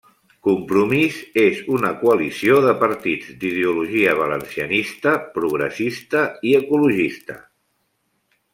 Compromís és una coalició de partits d'ideologia valencianista, progressista, i ecologista.